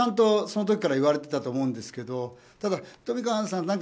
それはその時からいわれてたと思うんですけどただ、富川さん